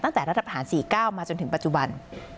ตั้งแต่รัฐฐาน๔๙มาจนถึงปัจจุบัน